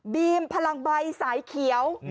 พลังใบสายเขียว